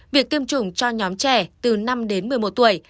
việc tiêm chủng cho nhóm trẻ từ năm đến một mươi một tuổi